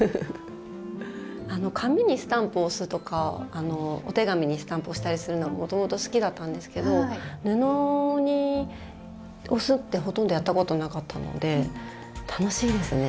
紙にスタンプを押すとかお手紙にスタンプを押したりするのがもともと好きだったんですけど布に押すってほとんどやったことなかったので楽しいですね。